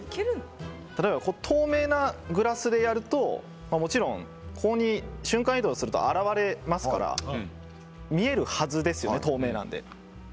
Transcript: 例えば、透明なグラスでやるともちろん、ここに瞬間移動すると現れますから見えるはずですよね、透明なので。